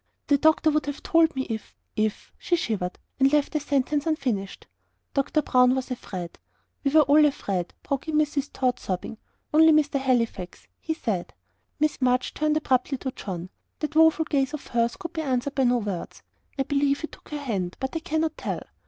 The doctor would have told me if if " she shivered, and left the sentence unfinished. "Dr. Brown was afraid we were all afraid," broke in Mrs. Tod, sobbing. "Only Mr. Halifax, he said " Miss March turned abruptly to John. That woeful gaze of hers could be answered by no words. I believe he took her hand, but I cannot tell.